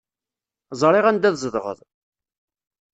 Ẓriɣ anda tzedɣeḍ.